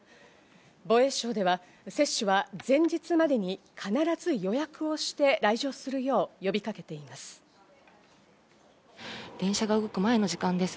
防衛省では接種は前日までに必ず予約をして来場するよう呼びかけています。